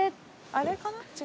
あれかな？